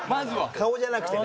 顔じゃなくてね。